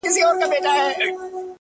• د سيند پر غاړه؛ سندريزه اروا وچړپېدل؛